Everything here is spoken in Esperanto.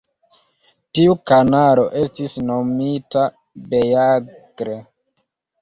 Tiu kanalo estis nomita Beagle.